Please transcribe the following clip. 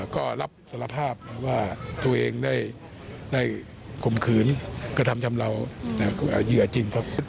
ก็รับสารภาพว่าตัวเองได้ข่มขืนกระทำชำเหล่าเหยื่อจริงครับ